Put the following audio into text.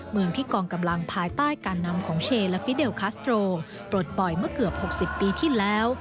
เมืองที่กองกำลังภายใต้การนำของเชและฟิเดลคัสโตรปลดปล่อยเมื่อเกือบ๖๐ปีที่แล้ว